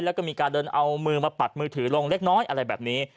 แล้วก็มีการเดินเอามือมาปัดมือถือลงเล็กน้อยอะไรแบบนี้